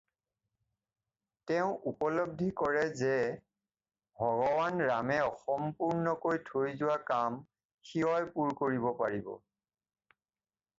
তেওঁ উপলব্ধি কৰে যে ভগৱান ৰামে অসম্পূৰ্ণকৈ থৈ যোৱা কাম শিৱই পূৰ কৰিব পাৰিব।